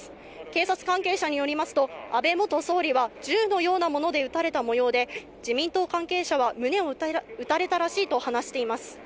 警察関係者によりますと、安倍元総理は銃のようなもので撃たれた模様で、自民党関係者は胸を撃たれたらしいと話しています。